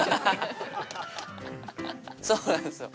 そうなんですよ。